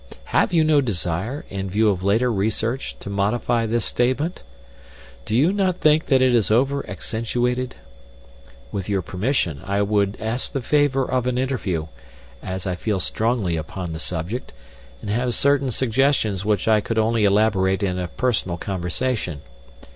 Have you no desire, in view of later research, to modify this statement? Do you not think that it is over accentuated? With your permission, I would ask the favor of an interview, as I feel strongly upon the subject, and have certain suggestions which I could only elaborate in a personal conversation.